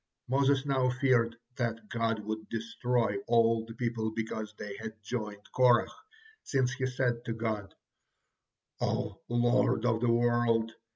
Moses now feared that God would destroy all the people because they had joined Korah, hence he said to God: "O Lord of the world!